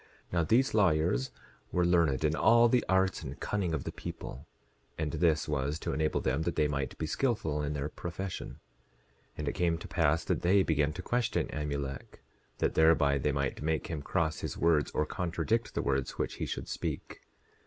10:15 Now these lawyers were learned in all the arts and cunning of the people; and this was to enable them that they might be skilful in their profession. 10:16 And it came to pass that they began to question Amulek, that thereby they might make him cross his words, or contradict the words which he should speak.